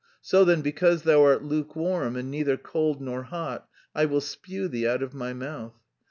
"'So then because thou art lukewarm, and neither cold nor hot, I will spue thee out of my mouth.